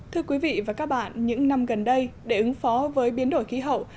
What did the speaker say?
thưa quý vị và các bạn những năm gần đây để ứng phó với biến đổi khí hậu